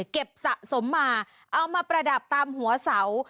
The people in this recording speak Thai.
สะสมมาเอามาประดับตามหัวเสา